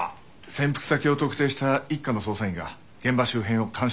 潜伏先を特定した一課の捜査員が現場周辺を監視しています。